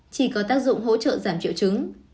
chỉ có tác dụng hỗ trợ giảm triệu trứng